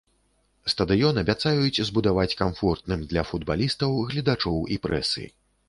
Стадыён абяцаюць збудаваць камфортным для футбалістаў, гледачоў і прэсы.